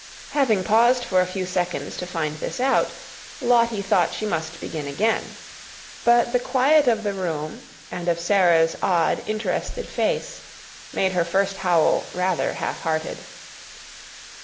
Having paused for a few seconds to find this out, Lottie thought she must begin again, but the quiet of the room and of Sara's odd, interested face made her first howl rather half hearted.